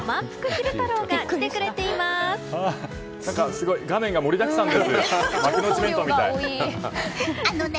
昼太郎が画面が盛りだくさんですね。